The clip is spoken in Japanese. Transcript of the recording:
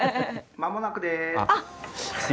まもなくです。